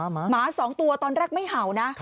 หมา๒ตัวตอนแรกไม่เห่านะ